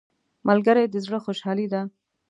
ملګری د زړه خوشحالي ده